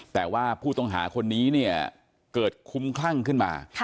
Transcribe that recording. แต่ว่าผู้ต้องหาคนนี้เนี่ยเกิดคุ้มคลั่งขึ้นมา